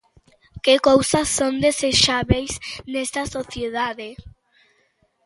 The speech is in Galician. Que cousas son desexábeis nesta sociedade.